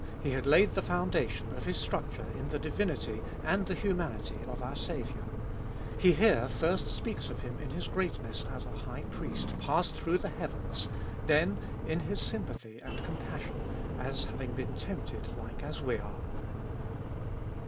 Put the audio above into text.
he had laid the foundation of his structure in the divinity and the humanity of our Saviour: he here first speaks of Him in His greatness as a High Priest passed through the heavens, then in His sympathy and com passion, as having been tempted like as we are.